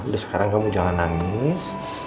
terus sekarang kamu jangan nangis